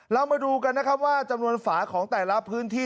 เรามาดูกันนะครับว่าจำนวนฝาของแต่ละพื้นที่